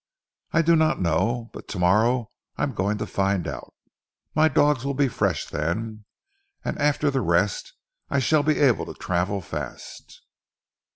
"I do not know. But tomorrow I am going to find out; my dogs will be fresh then, and after the rest I shall be able to travel fast.